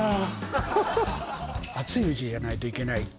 熱いうちじゃないといけない